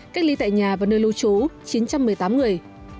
cách ly tại nhà và nơi lưu trú chín trăm một mươi tám người